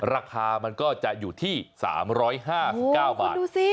ราคามันก็จะอยู่ที่๓๕๙บาท